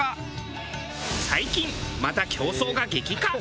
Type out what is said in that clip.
最近また競争が激化。